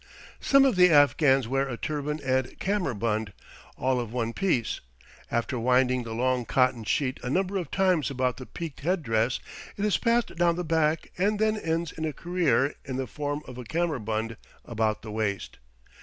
Some of the Afghans wear a turban and kammerbund, all of one piece; after winding the long cotton sheet a number of times about the peaked head dress, it is passed down the back and then ends its career in the form of a kammerbund about the waist.